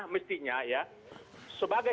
mestinya ya sebagai